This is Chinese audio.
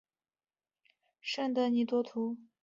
圣德尼多图。